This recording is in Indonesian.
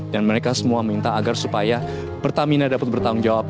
dan mereka semua minta agar supaya pertamina dapat bertanggung jawab